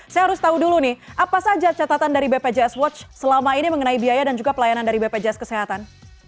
saya harus tahu dulu nih apa saja catatan dari bpjs watch selama ini mengenai biaya dan juga pelayanan dari bpjs kesehatan